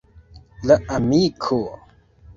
La amiko.